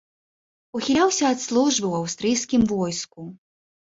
Ухіляўся ад службы ў аўстрыйскім войску.